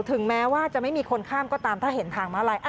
ถึงแม้ว่าจะไม่มีคนข้ามก็ตามถ้าเห็นทางมาลาย